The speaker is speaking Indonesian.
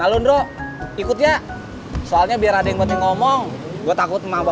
nah lu nro ikut ya soalnya biar ada yang ngomong gua takut sama mbak binter